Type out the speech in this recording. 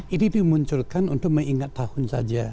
ini dimunculkan untuk mengingat tahun saja